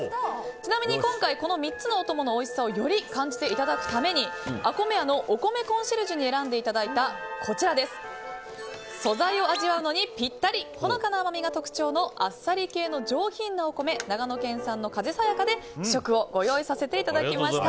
ちなみに今回この３つのお供のおいしさをより感じていただくためにＡＫＯＭＥＹＡのお米コンシェルジュに選んでいただいたこちら、素材を味わうのにピッタリ、ほのかな甘みが特徴のあっさり系の上品なお米長野県産の風さやかで試食をご用意させていただきました。